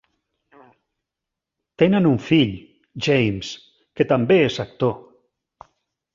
Tenen un fill, James, que també és actor.